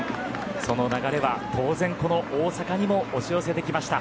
その流れは当然この大阪にも押し寄せてきました。